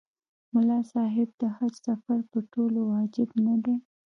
ملا صاحب د حج سفر په ټولو واجب نه دی.